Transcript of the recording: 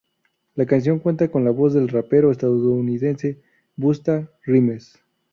La canción cuenta con la voz del rapero estadounidense Busta Rhymes.